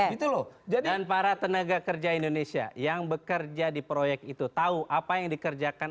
gitu loh dan para tenaga kerja indonesia yang bekerja di proyek itu tahu apa yang dikerjakan